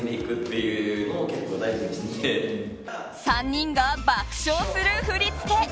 ３人が爆笑する振り付け。